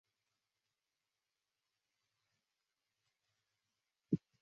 拟阿勇蛞蝓科。